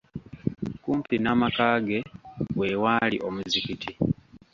Kumpi n'amaka ge we waali omuzigiti.